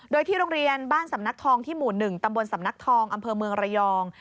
โดยที่โรงเรียนบ้านสำนักทองที่หมู่๑ตำบลสำนักทองอำเภอเมืองระยอง